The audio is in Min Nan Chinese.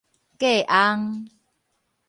嫁翁